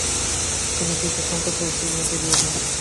তিনি কিছু সংকট পরিস্থিতির মধ্য দিয়ে যান।